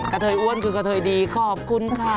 เทยอ้วนคือกระเทยดีขอบคุณค่ะ